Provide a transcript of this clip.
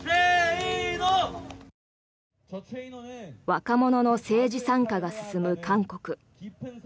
若者の政治参加が進む韓国。